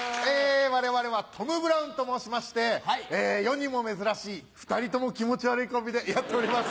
我々はトム・ブラウンと申しまして世にも珍しい２人とも気持ち悪いコンビでやっております。